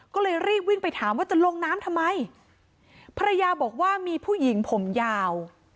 ก็เลยรีบวิ่งไปถามว่าจะลงน้ำทำไมภรรยาบอกว่ามีผู้หญิงผมยาว